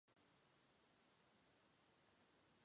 是香港银河卫视拥有的一条娱乐频道。